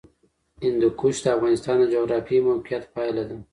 هندوکش د افغانستان د جغرافیایي موقیعت پایله ده.